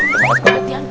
kamu nyari sobrin